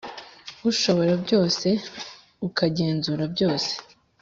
ushobora byose, ukagenzura byose,